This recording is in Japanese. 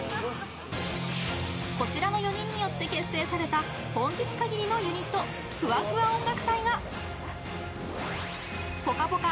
こちらの４人によって結成された本日限りのユニットふわふわ音楽隊が「ぽかぽか」